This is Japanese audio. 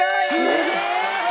すげえ！